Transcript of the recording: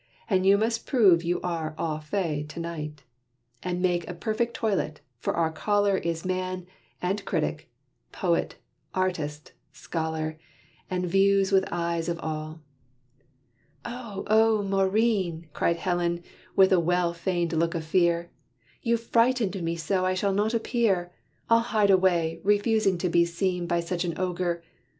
And you must prove you are au fait to night, And make a perfect toilet: for our caller Is man, and critic, poet, artist, scholar, And views with eyes of all." "Oh, oh! Maurine," Cried Helen with a well feigned look of fear, "You've frightened me so I shall not appear: I'll hide away, refusing to be seen By such an ogre.